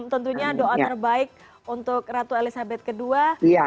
tentunya doa terbaik untuk ratu elizabeth ii